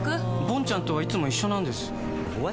ぼんちゃんとはいつも一緒なんです。